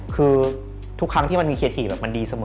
คือทุกครั้งที่มันมีเคถี่แบบมันดีเสมอ